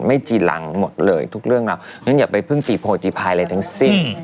ไม่จีรังหมดเลยทุกเรื่องนั้นอย่าไปเพิ่งตีโพลจีพายอะไรทั้งสิ้น